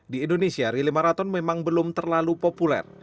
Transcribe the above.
di indonesia rely marathon memang belum terlalu populer